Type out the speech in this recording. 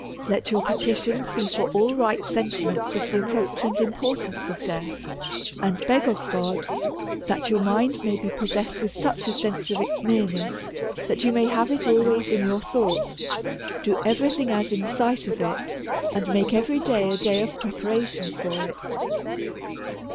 Let your petitions be all for right sentiments of the approach aiRJ importance of death ; and beg of God, that your mind may be possessed with such a sense of its nearness, that you may have it always in your thoughts, do every thing as in the sight of it, and make every day a day of preparation for it.